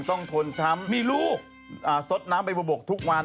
ต้องทนช้ำสดน้ำไปบ่บบกทุกวัน